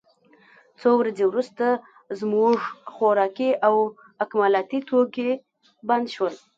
څو ورځې وروسته زموږ خوراکي او اکمالاتي توکي بند شول